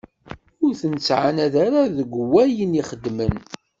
Ur ten-ttɛannad ara deg wayen i xeddmen.